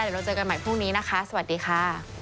เดี๋ยวเราเจอกันใหม่พรุ่งนี้นะคะสวัสดีค่ะ